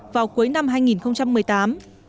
vào cuối năm hai nghìn một mươi tám